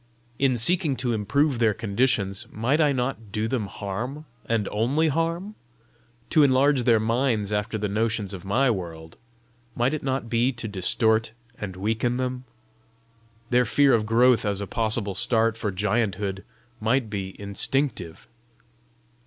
In seeking to improve their conditions, might I not do them harm, and only harm? To enlarge their minds after the notions of my world might it not be to distort and weaken them? Their fear of growth as a possible start for gianthood might be instinctive!